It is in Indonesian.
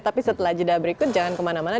tapi setelah jeda berikut jangan kemana mana